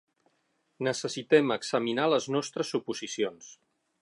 Necessitem examinar les nostres suposicions.